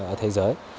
ở thế giới